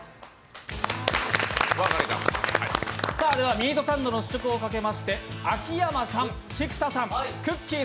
ミートサンドの試食をかけまして、秋山さん、菊田さん、くっきー！